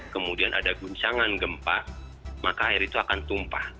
kemudian ada guncangan gempa maka air itu akan tumpah